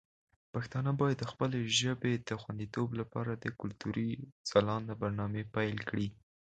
پښتانه باید د خپلې ژبې د خوندیتوب لپاره د کلتوري ځلانده برنامې پیل کړي.